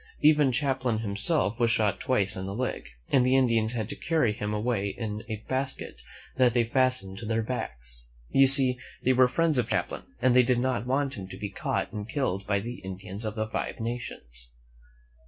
Even Cham plain himself was shot twice in the leg, and the Indians had to carry him away in a basket that they fastened to their backs. You see, they were friends of Champlain, and they did not want him to be caught and killed by the Indians of the Five Nations.